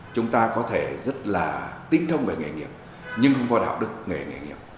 chúng ta có thể rất là tinh thông về nghề nghiệp nhưng không có đạo đức nghề nghề nghiệp